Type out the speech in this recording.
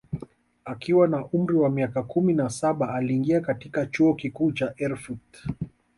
Akiwa na umri wa miaka kumi na saba aliingia katika Chuo Kikuu cha Erfurt